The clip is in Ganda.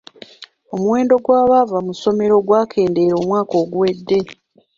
Omuwendo gw'abaava mu ssomero gwakendeera omwaka oguwedde.